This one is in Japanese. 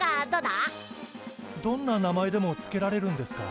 どんな名前でも付けられるんですか？